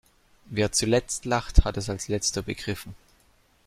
Wer zuletzt lacht, hat es als letzter begriffen.